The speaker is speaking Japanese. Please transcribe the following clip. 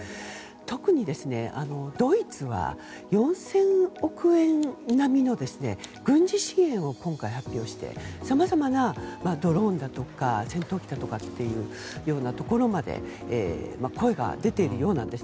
特に、ドイツは４０００億円の軍事支援を今回発表してさまざまなドローンだとか戦闘機だとかというところまで声が出ているようなんです。